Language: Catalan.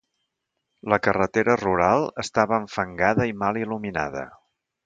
La carretera rural estava enfangada i mal il·luminada.